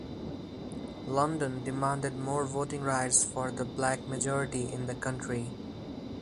London demanded more voting rights for the Black majority in the country.